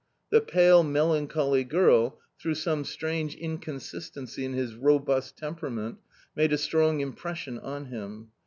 The pale, melancholy girl, through some strange incon sistency in his robust temperament, made a strong impres sion on him.